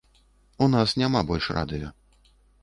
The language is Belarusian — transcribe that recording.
У нас няма больш радыё.